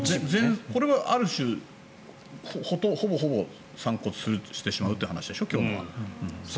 これは、ある種ほぼほぼ散骨してしまうという話でしょ。